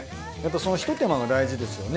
そのひと手間が大事ですよね。